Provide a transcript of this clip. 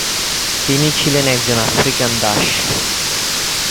তিনি ছিলেন একজন আফ্রিকান দাস।